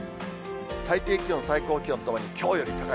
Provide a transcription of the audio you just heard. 最低気温、最高気温ともに、きょうより高い。